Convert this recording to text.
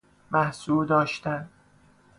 محصور داشتن